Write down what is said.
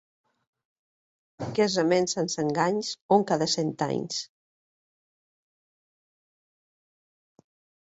Casament sense enganys, un cada cent anys.